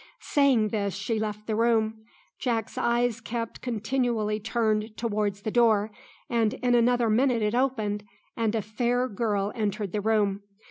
Saying this she left the room. Jack's eyes kept continually turned towards the door, and in another minute it opened, and a fair girl entered the room.